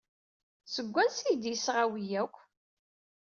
Seg wansi ay d-yesɣa wi akk?